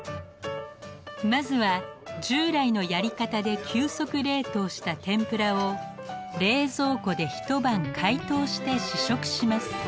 まずは従来のやり方で急速冷凍した天ぷらを冷蔵庫で一晩解凍して試食します。